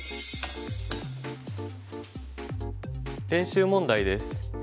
練習問題です。